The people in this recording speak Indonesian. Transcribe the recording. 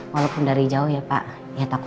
walaupun dari jauh ya pak